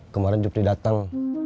kemarin jutip datang